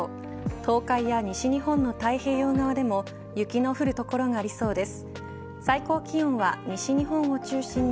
東海や西日本の太平洋側でも雪の降る所がありそうです。